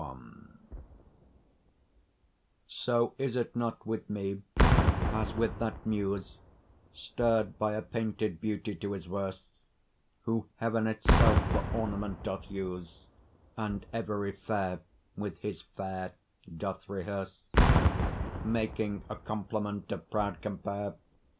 XXI So is it not with me as with that Muse, Stirr'd by a painted beauty to his verse, Who heaven itself for ornament doth use And every fair with his fair doth rehearse, Making a couplement of proud compare.